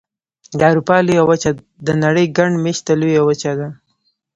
د اروپا لویه وچه د نړۍ ګڼ مېشته لویه وچه ده.